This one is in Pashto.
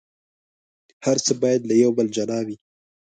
هر څه باید له یو بل جلا وي.